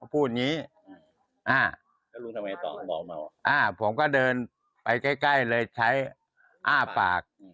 พูดอย่างนี้ผมก็เดินไปใกล้เลยใช้อ้าฟาก